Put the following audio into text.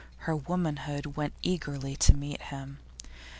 Her womanhood went eagerly to meet him.